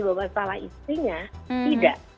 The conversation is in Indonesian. bahwa salah istrinya tidak